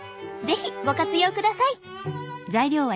是非ご活用ください。